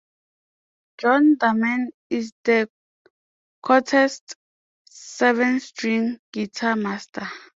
John Dearman is the quartet's seven-string guitar master.